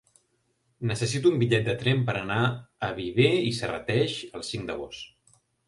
Necessito un bitllet de tren per anar a Viver i Serrateix el cinc d'agost.